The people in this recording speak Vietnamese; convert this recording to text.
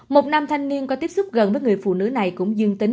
một nam thanh niên có tiếp xúc gần với người phụ nữ này cũng dương tính